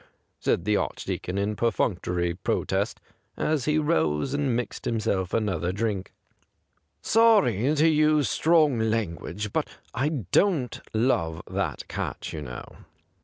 said the Archdeacon in perfunctory protest, as he rose and mixed himself another drink. ' Sorry to use strong language, 'but I don't love that cat, you know.'